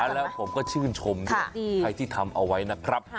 แล้วผมก็ชื่นชมด้วยใครที่ทำเอาไว้นะครับ